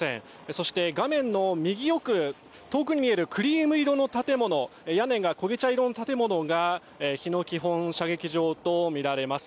そして画面の右奥、遠くに見えるクリーム色の建物、屋根が焦げ茶色の建物が日野基本射撃場と見られます。